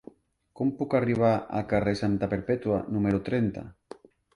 Com puc arribar al carrer de Santa Perpètua número trenta?